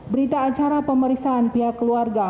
berita acara pemeriksaan pihak keluarga